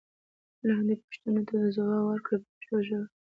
لاندې پوښتنو ته ځوابونه ورکړئ په پښتو ژبه.